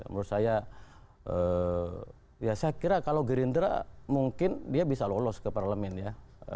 menurut saya ya saya kira kalau gerindra mungkin dia bisa lolos ke parlemen ya